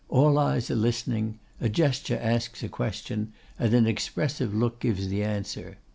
All eyes are listening, a gesture asks a question, and an expressive look gives the answer.